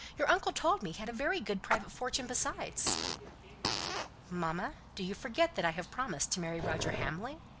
Your uncle told me he had a very good private fortune besides." "Mamma, do you forget that I have promised to marry Roger Hamley?"